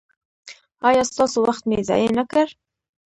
ایا ستاسو وخت مې ضایع نکړ؟